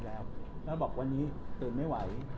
แล้วหนูบอกวันนี้ถึงไม่ไหว